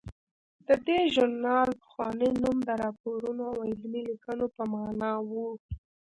د دې ژورنال پخوانی نوم د راپورونو او علمي لیکنو په مانا و.